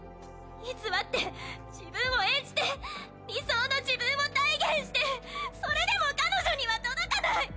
偽って自分を演じて理想の自分を体現してそれでも彼女には届かない！